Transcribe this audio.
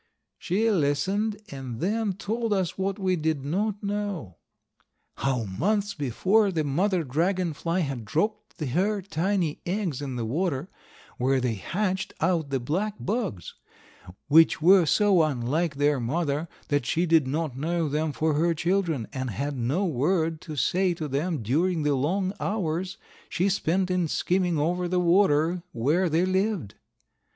She listened and then told us what we did not know. How months before the mother Dragon fly had dropped her tiny eggs in the water, where they hatched out the black bugs, which were so unlike their mother that she did not know them for her children, and had no word to say to them during the long hours she spent in skimming over the water where they lived.